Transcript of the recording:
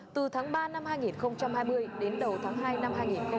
từ tháng ba năm hai nghìn hai mươi đến đầu tháng hai năm hai nghìn hai mươi